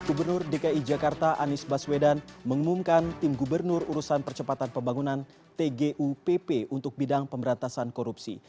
gubernur dki jakarta anies baswedan mengumumkan tim gubernur urusan percepatan pembangunan tgupp untuk bidang pemberantasan korupsi